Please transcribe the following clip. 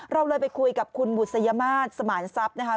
เราเลยไปคุยกับคุณบุษยมาตรสมานทรัพย์นะคะ